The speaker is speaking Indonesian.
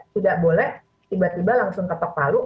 tidak boleh tiba tiba langsung ketepaluh